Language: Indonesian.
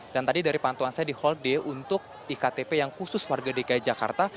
dan tadi dari pantuan saya di hall d untuk iktp yang khusus warga dki jakarta